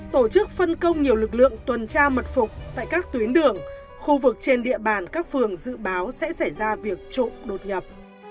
tổ chức phân công nhiều lực lượng tuần tra mật phục tại các tuyến đường khu vực trên địa bàn các phường dự báo sẽ xảy ra việc trộm đột nhập